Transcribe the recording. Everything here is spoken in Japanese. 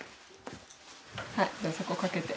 はいじゃあそこかけて。